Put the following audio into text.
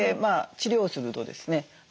治療するとですね